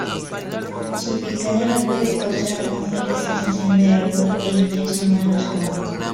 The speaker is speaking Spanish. Su picadura puede causar una fuerte sensación de ardor e hinchazón a los humanos.